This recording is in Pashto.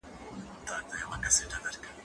زه هره ورځ بازار ته ځم!؟